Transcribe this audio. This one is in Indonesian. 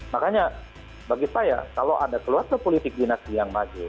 makanya bagi saya kalau ada keluarga politik dinasti yang maju